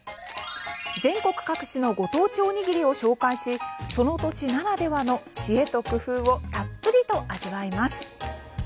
全国各地のご当地おにぎりを紹介しその土地ならではの知恵と工夫をたっぷりと味わいます。